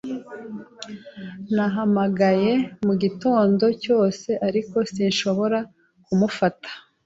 Nahamagaye mugitondo cyose, ariko sinshobora kumufata.